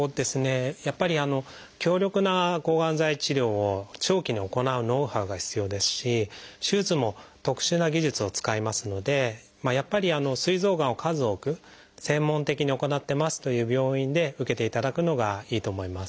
やっぱり強力な抗がん剤治療を長期に行うノウハウが必要ですし手術も特殊な技術を使いますのでやっぱりすい臓がんを数多く専門的に行ってますという病院で受けていただくのがいいと思います。